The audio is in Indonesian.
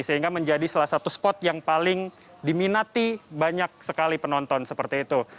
sehingga menjadi salah satu spot yang paling diminati banyak sekali penonton seperti itu